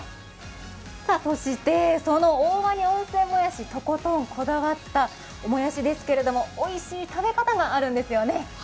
そしてその大鰐温泉もやしとことんこだわったもやしですけどもおいしい食べ方があるんですよね。